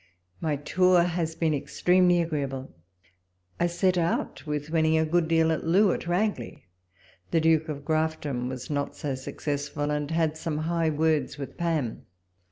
My tour has been extremely agreeable. I set out with winning a good deal at Loo at Ragley ; the Duke of Grafton was not so successful, and had some high words with Pam.